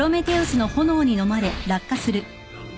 あっ。